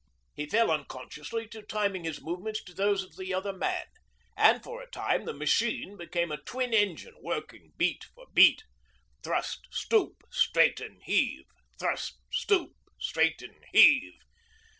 He fell unconsciously to timing his movements to those of the other man, and for a time the machine became a twin engine working beat for beat thrust, stoop, straighten, heave; thrust, stoop, straighten, heave.